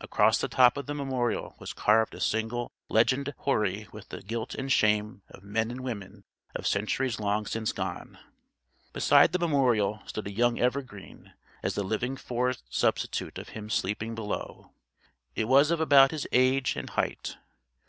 Across the top of the memorial was carved a single legend hoary with the guilt and shame of men and women of centuries long since gone. Beside the memorial stood a young evergreen as the living forest substitute of him sleeping below: it was of about his age and height.